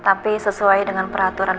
tapi sesuai dengan peraturan